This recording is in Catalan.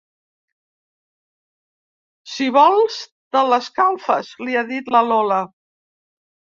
Si vols te l'escalfes, li ha dit la Lola.